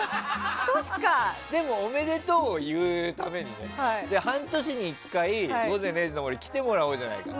でも、おめでとうを言うために半年に１回「午前０時の森」に来てもらおうじゃないかと。